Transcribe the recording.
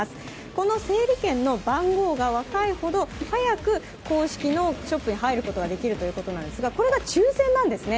この整理券の番号が若いほど早く公式のショップへ入ることができるということなんですが、これが抽選なんですね。